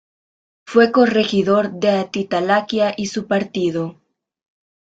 Fue corregidor de Atitalaquia y su partido.